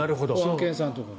検査のところが。